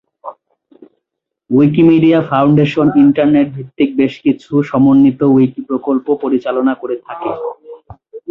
Wikimedia foundation internet ভিত্তিক বেশকিছু সমন্বিত উইকি প্রকল্প পরিচালনা করে থাকে।